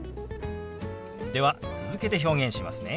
では続けて表現しますね。